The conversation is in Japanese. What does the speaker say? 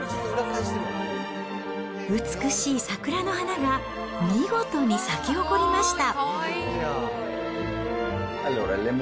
美しい桜の花が見事に咲き誇りました。